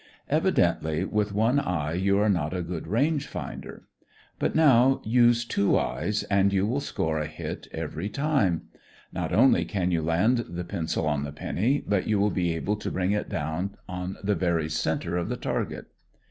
Evidently, with one eye you are not a good range finder; but now use two eyes and you will score a hit every time. Not only can you land the pencil on the penny, but you will be able to bring it down on the very center of the target.